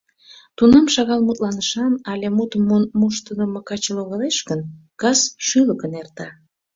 Тунам шагал мутланышан але мутым муын моштыдымо каче логалеш гын, кас шӱлыкын эрта.